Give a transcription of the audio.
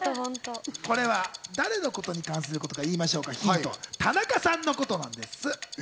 これは誰のことに関することか言いましょうか、田中さんのことなんです。